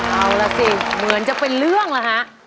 เอาล่ะสิเหมือนจะเป็นเรื่องล่ะฮะ